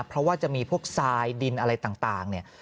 เพราะว่าจะมีพวกทรายดินอะไรต่างเนี่ย